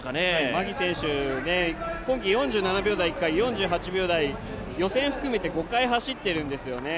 マギ選手、今季４７秒台１回、４８秒台予選を含めて５回走っているんですよね。